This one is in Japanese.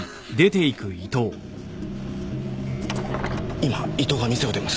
今伊藤が店を出ます。